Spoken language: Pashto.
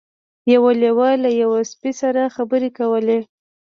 یو لیوه له یوه سپي سره خبرې کولې.